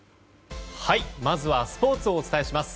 まずはスポーツをお伝えします。